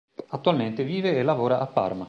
Attualmente vive e lavora a Parma.